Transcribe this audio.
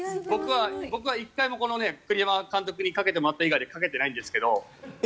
僕は１回も栗山監督にかけてもらった以外でかけていないんですけど。